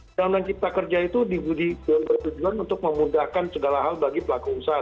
dalam nangkip tak kerja itu diberi tujuan untuk memudahkan segala hal bagi pelaku usaha